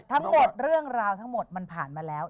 เรื่องราวทั้งหมดมันผ่านมาแล้ว